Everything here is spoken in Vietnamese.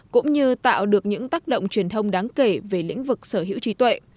cũng như tạo được những tác động truyền thông đáng kể về lĩnh vực sở hữu trí tuệ